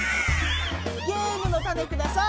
ゲームのたねください！